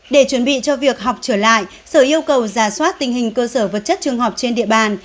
để chuẩn bị cho việc học trở lại sở yêu cầu giả soát tình hình cơ sở vật chất trường học trên địa bàn